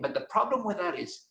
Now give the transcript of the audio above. tapi masalahnya adalah